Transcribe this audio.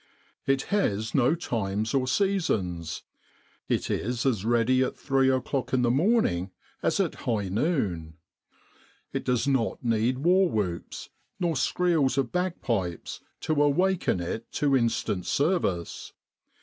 It has no times or seasons : it is as ready at three o'clock in the morning as at high noon. It does not need war whoops, nor screels of bagpipes, to awaken it to instant service.